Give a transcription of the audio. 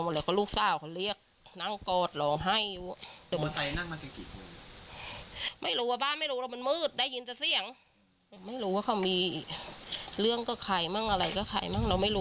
มาหึงไม่รู้ว่ามีกับใครก็ก็ไม่รู้พวกก็ไม่รู้เลยว่ามีเพื่อนเกิดเลือดเมื่อเครื่องจักร